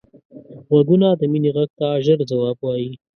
غوږونه د مینې غږ ته ژر ځواب وايي